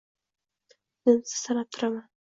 — Tinimsiz sanab turaman.